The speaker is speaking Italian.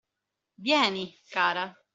Vieni, cara.